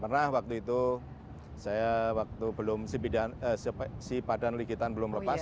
pernah waktu itu saya waktu belum si padan likitan belum lepas